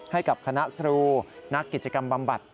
ให้กับคณะครูนักกิจกรรมบำบัด